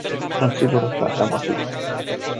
Sunt sigură că așa va fi.